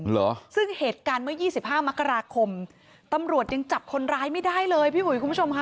เหรอซึ่งเหตุการณ์เมื่อ๒๕มกราคมตำรวจยังจับคนร้ายไม่ได้เลยพี่อุ๋ยคุณผู้ชมค่ะ